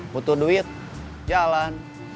butuh duit jalan